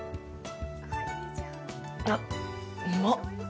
あうまっ！